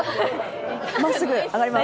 まっすぐ上がります。